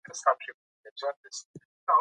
پکتیا د افغانستان د اقلیم ځانګړتیا ده.